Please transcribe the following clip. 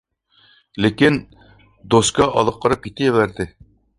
لېكىن، «دوسكا» ئالغا قاراپ كېتىۋەردى،